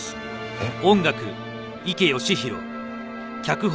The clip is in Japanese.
えっ？